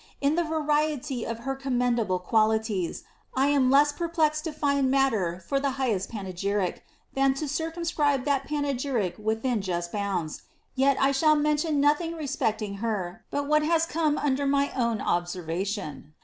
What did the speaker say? In the variety of her commendable qualities, I am less per plexed to find matter for the highest panegyric, than to circumscribe that panegyric within just bounds ; yet, I shall mention nothing respect ing her but what has come under my own observation.